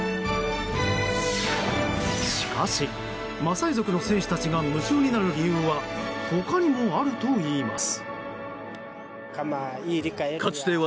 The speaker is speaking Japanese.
しかし、マサイ族の戦士たちが夢中になる理由は他にもあるといいます。